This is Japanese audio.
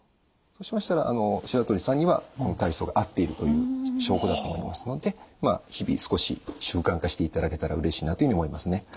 そうしましたら白鳥さんにはこの体操が合っているという証拠だと思いますので日々少し習慣化していただけたらうれしいなというように思いますね。